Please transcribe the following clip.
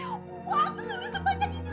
uang suli sebanyak itu